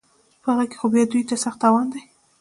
په هغه کې خو بیا دوی ته سخت تاوان دی